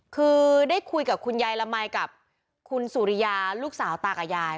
คือได้คุยกับคุณยายละมัยกับคุณสุริยาลูกสาวตากับยาย